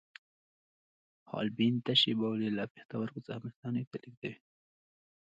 حالبین تشې بولې له پښتورګو څخه مثانې ته لیږدوي.